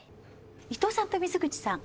伊藤さんと水口さん